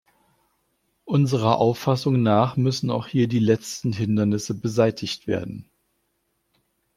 Unserer Auffassung nach müssen auch hier die letzten Hindernisse beseitigt werden.